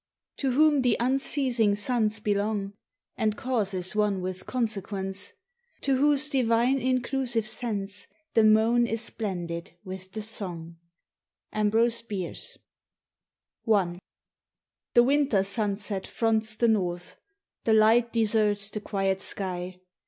To Whom the unceasing suns belong. And cause is one with consequence, To Whose divine inclusive sense The moan is blended with the song. AMBROSE BIERCE. I. The winter sunset fronts the North. The light deserts the quiet sky.